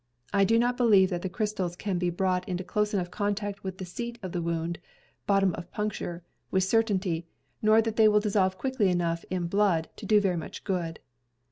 I do not believe that the crystals can be brought into close enough contact with the seat of the wound (bottom of puncture) with certainty, nor that they will dissolve quickly enough in blood, to do very much good.